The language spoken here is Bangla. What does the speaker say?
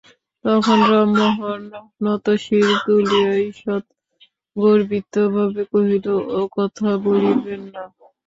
তখন রামমোহন নতশির তুলিয়া ঈষৎ গর্বিতভাবে কহিল, ও-কথা বলিবেন না।